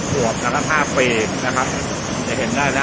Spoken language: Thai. ตรวจนะครับห้าปีนะครับจะเห็นได้นะ